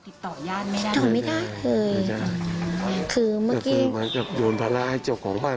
ติดต่อย่างไม่ได้ไม่ได้ไม่ได้คือเมื่อกี้คือมันก็โดนภาระให้เจ้าของบ้าน